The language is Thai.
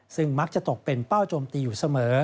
ซึ่งมักจะตกเป็นเป้าโจมตีอยู่เสมอ